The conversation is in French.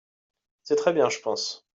C'est très bien, je pense.